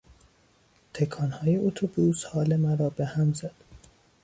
تکانهای اتوبوس حال مرا به هم زد.